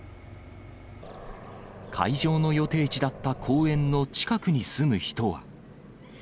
会場の予定地だった公園の近くに住む人は。